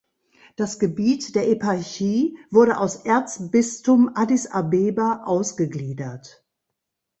Das Gebiet der Eparchie wurde aus Erzbistum Addis Abeba ausgegliedert.